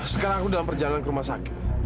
sekarang aku dalam perjalanan ke rumah sakit